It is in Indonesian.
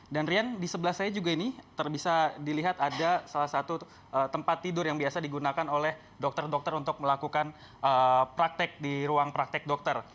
dan rian di sebelah saya juga ini terbisa dilihat ada salah satu tempat tidur yang biasa digunakan oleh dokter dokter untuk melakukan praktek di ruang praktek dokter